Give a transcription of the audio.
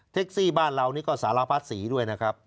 ซี่บ้านเรานี่ก็สารพัดสีด้วยนะครับ